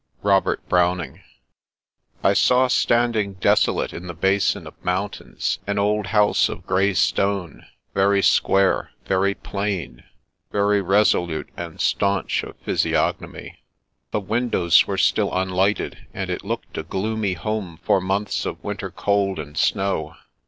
— ROBBRT B&OWNINO. I SAW^ Standing desolate in the basin of moun tains, an old house of grey stone, very square, very plain, very resolute and staunch of physiognomy. The windows were still unlighted, and it looked a gloomy home for months of winter cold and snow.